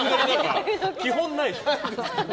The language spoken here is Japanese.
基本ないでしょ。